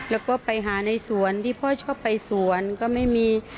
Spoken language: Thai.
แล้วก็ไปหาในสวนที่พ่อชอบไปสวนก็ไม่มี